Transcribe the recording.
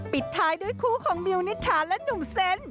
ปิดท้ายด้วยคู่ของมิวนิษฐาและหนุ่มเซนต์